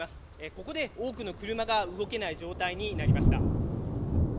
ここで多くの車が動けない状態になりました。